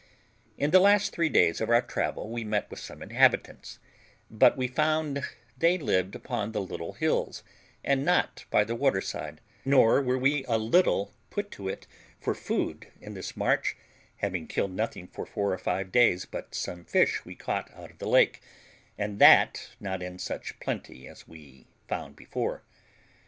In the last three days of our travel we met with some inhabitants, but we found they lived upon the little hills and not by the water side; nor were we a little put to it for food in this march, having killed nothing for four or five days but some fish we caught out of the lake, and that not in such plenty as we found before.